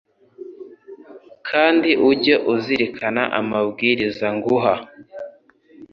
kandi ujye uzirikana amabwiriza nguha